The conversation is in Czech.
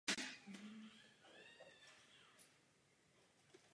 Byron také bojoval proti trestu smrti.